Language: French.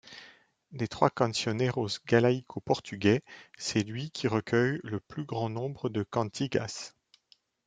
Des trois cancioneiros galaïco-portugais, c'est celui qui recueille le plus grand nombre de cantigas.